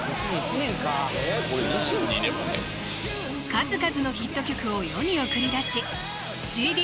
数々のヒット曲を世に送り出しＣＤ